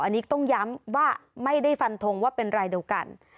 อันนี้ต้องย้ำว่าไม่ได้ฟันทงว่าเป็นรายเดียวกัน